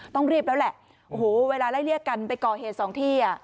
ต้องรีบแล้วแหละโอ้โหเวลาไล่เรียกกันไปก่อเหตุสองที่อ่ะ